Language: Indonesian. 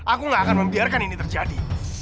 aku gak akan membiarkan ini terjadi